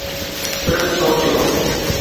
صرف سوچيو.